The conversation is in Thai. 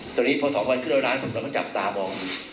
ตอนนี้พอ๒วันขึ้น๑๐๐ล้านเราต้องจับตามองดู